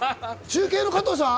中継の加藤さん？